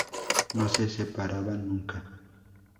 No se separaban nunca.